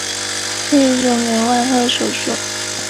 匈牙利实行多党议会制。